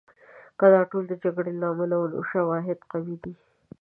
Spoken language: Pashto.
که دا ټول د جګړې له امله وو، نو شواهد قوي دي.